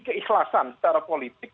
keikhlasan secara politik